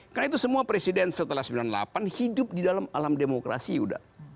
karena itu semua presiden setelah sembilan puluh delapan hidup di dalam alam demokrasi udah